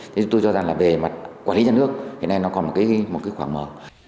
thế tôi cho rằng là về mặt quản lý nhà nước hiện nay nó còn một cái khoảng mờ